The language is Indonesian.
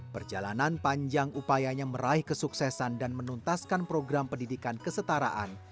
perjalanan panjang upayanya meraih kesuksesan dan menuntaskan program pendidikan kesetaraan